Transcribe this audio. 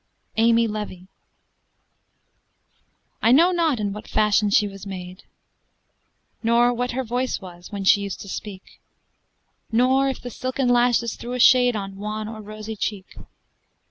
AMY LEVY. I know not in what fashion she was made, Nor what her voice was, when she used to speak, Nor if the silken lashes threw a shade On wan or rosy cheek.